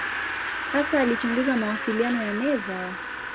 Hasa alichunguza mawasiliano ya neva.